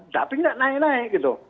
tapi nggak naik naik gitu